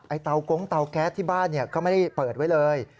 เตากงเตาแก๊สที่บ้านก็ไม่ได้เปิดไว้เลย